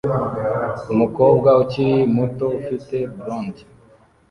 Umukobwa ukiri muto ufite blond